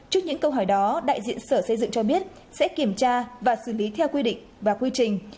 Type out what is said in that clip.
trước những câu hỏi đó đại diện sở xây dựng cho biết sẽ kiểm tra và xử lý theo quy định và quy trình